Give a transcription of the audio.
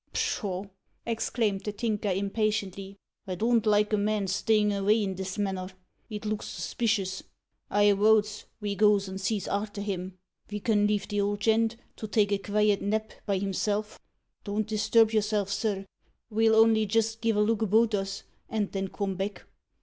"Pshaw!" exclaimed the Tinker impatiently; "I don't like a man stayin' avay in this manner. It looks suspicious. I wotes ve goes and sees arter him. Ve can leave the old gent to take a keviet nap by himself. Don't disturb yourself, sir. Ve'll only jist giv' a look about us, and then come back."